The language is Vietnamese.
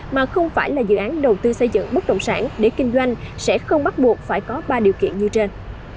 mà không phải là dự án đầu tư xây dựng bất động sản để kinh doanh sẽ không bắt buộc phải có ba điều kiện như trên